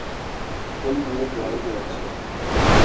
film unit والوں کے حوصلے